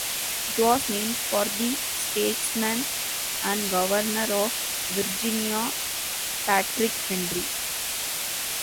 It was named for the statesman and governor of Virginia Patrick Henry.